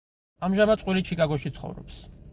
ამჟამად წყვილი ჩიკაგოში ცხოვრობს.